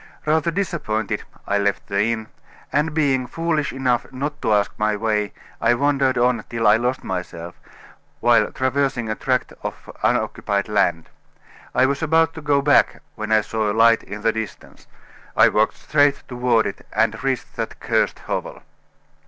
Rather disappointed, I left the inn, and being foolish enough not to ask my way, I wandered on till I lost myself, while traversing a tract of unoccupied land. I was about to go back, when I saw a light in the distance. I walked straight toward it, and reached that cursed hovel."